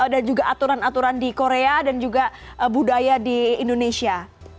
dan juga aturan aturan di korea dan juga budaya di indonesia